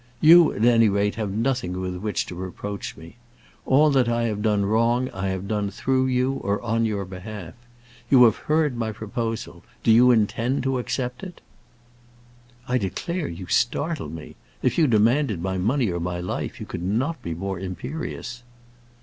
You at any rate have nothing with which to reproach me. All that I have done wrong, I have done through you, or on your behalf. You have heard my proposal. Do you intend to accept it?" "I declare you startle me. If you demanded my money or my life, you could not be more imperious."